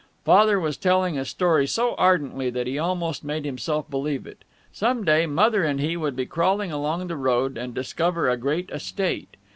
Father was telling a story so ardently that he almost made himself believe it: Some day, Mother and he would be crawling along the road and discover a great estate.